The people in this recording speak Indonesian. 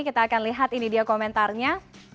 kita akan lihat ini dia komentarnya